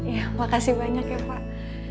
ya makasih banyak ya pak